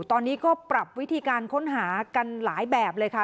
ตอนนี้ก็ปรับวิธีการค้นหากันหลายแบบเลยค่ะ